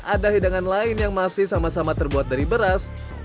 ada hidangan lain yang masih sama sama terbuat dari beras